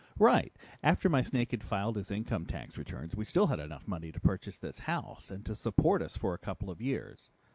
"Right. After my snake had filed his income tax returns, we still had enough money to purchase this house and to support us for a couple of years.